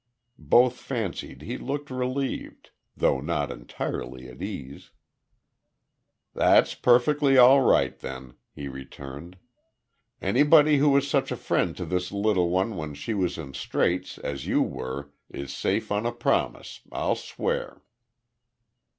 Both fancied he looked relieved, though not entirely at ease. "That's perfectly all right, then," he returned. "Anybody who was such a friend to this little one when she was in straits as you were, is safe on a promise, I'll swear."